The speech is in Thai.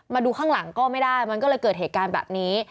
มาดูข้างหลังก็ไม่ได้มันก็เลยเกิดเหตุการณ์แบบนี้